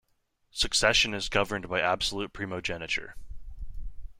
Succession is governed by absolute primogeniture.